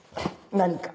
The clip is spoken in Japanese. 何か。